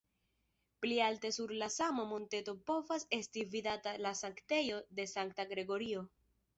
Pli alte sur la sama monteto povas esti vidata la sanktejo de sankta Gregorio.